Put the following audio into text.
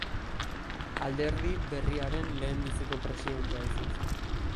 Alderdi berriaren lehendabiziko presidentea izan zen.